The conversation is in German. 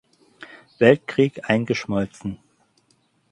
Weltkrieg eingeschmolzen.